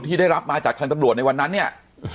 ชื่อได้รับมาจากคันตรับรวจในวันนั้นเนี่ย